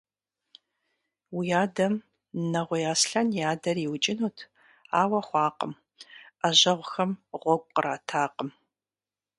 Уи адэм Нэгъуей Аслъэн и адэр иукӀынут, ауэ хъуакъым, Ӏэжьэгъухэм гъуэгу къратакъым.